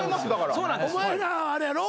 お前らはあれやろ？